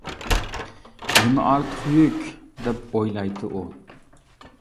نېمە ئارتۇق يۈك دەپ ئويلايتتى ئۇ.